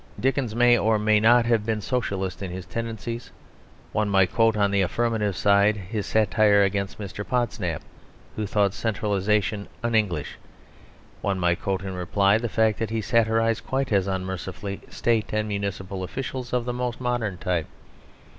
Dickens may or may not have been socialist in his tendencies; one might quote on the affirmative side his satire against Mr. Podsnap, who thought Centralisation "un English"; one might quote in reply the fact that he satirised quite as unmercifully state and municipal officials of the most modern type.